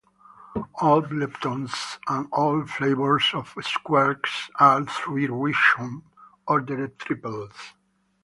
All leptons and all flavours of quarks are three-rishon ordered triplets.